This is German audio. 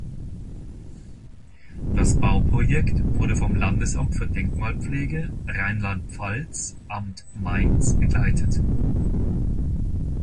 Das Bauprojekt wurde vom Landesamt für Denkmalpflege Rheinland-Pfalz, Amt Mainz, begleitet.